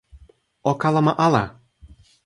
o kalama ala!